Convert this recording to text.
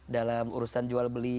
dalam urusan jual beli